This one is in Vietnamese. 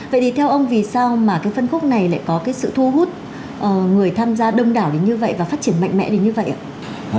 vậy thì theo ông vì sao mà cái phân khúc này lại có cái sự thu hút người tham gia đông đảo đến như vậy và phát triển mạnh mẽ đến như vậy ạ